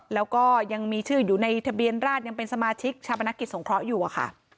แล้วก็ยังมีชื่ออยู่ในทะเบียนราชยังเป็นสมาชิกชาปนกิจสงเคราะห์อยู่อะค่ะ